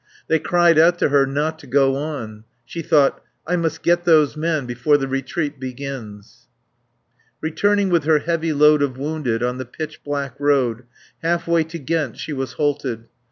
They cried out to her not to go on. She thought: I must get those men before the retreat begins. Returning with her heavy load of wounded, on the pitch black road, half way to Ghent she was halted.